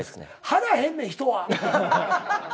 腹減んねん人は。